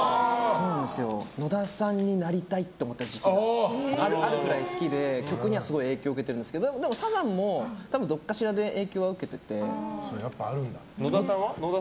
野田さんになりたいと思っていた時期があるくらい好きで曲にはすごい影響をもらってるんですがでもサザンもどこかしらで影響を受けてるので。